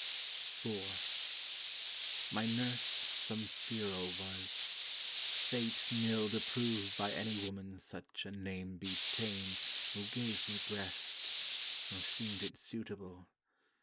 IV My nurse some Feral was; Fate nilled approve By any Woman such a name be tane Who gave me breast; nor seemed it suitable.